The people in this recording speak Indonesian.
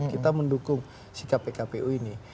kita mendukung si kpu kpu ini